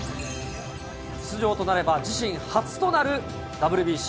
出場となれば、自身初となるＷＢＣ。